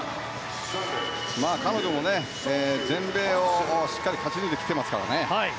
彼女も全米をしっかり勝ち抜いてきていますから。